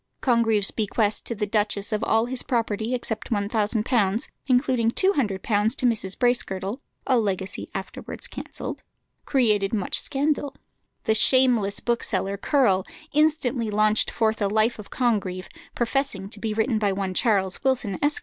Congreve's bequest to the duchess of all his property, except £1000, including £200 to Mrs. Bracegirdle (a legacy afterwards cancelled), created much scandal. The shameless bookseller, Curll, instantly launched forth a life of Congreve, professing to be written by one Charles Wilson, Esq.